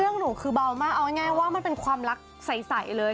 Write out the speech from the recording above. เรื่องหนูคือเบามากเอาไงว่ามันเป็นความรักใสเลย